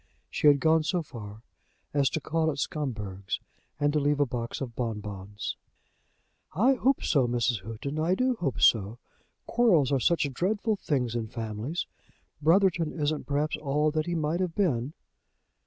She had gone so far as to call at Scumberg's, and to leave a box of bonbons. "I hope so, Mrs. Houghton; I do hope so. Quarrels are such dreadful things in families. Brotherton isn't, perhaps, all that he might have been."